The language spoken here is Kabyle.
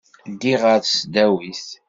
Ddiɣ ɣer tesdawit.